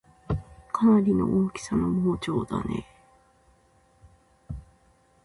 かなりの大きさの盲腸だねぇ